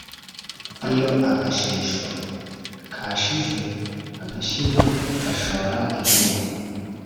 lyo agashesho ( kashize agashino gashora ihene